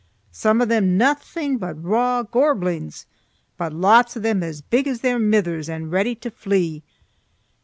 Some of them naething but raw gorblings but lots of them as big as their mithers and ready to flee.